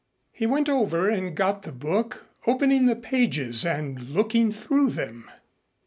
He went over and got the book, opening the pages and looking through them.